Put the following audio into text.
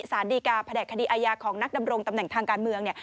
สารดีกาแผนกคดีอาญาของนักดำรงตำแหน่งทางการเมืองเนี่ย